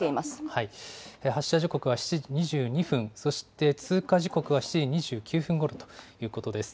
発射時刻は７時２２分、そして通過時刻は７時２９分ごろということです。